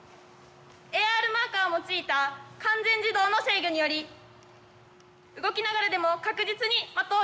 ＡＲマーカーを用いた完全自動の制御により動きながらでも確実に的を射ぬくことができます。